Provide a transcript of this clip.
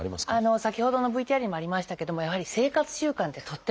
先ほどのＶＴＲにもありましたけどもやはり生活習慣ってとっても大事です。